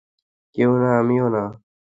কেউ না, আমিও না।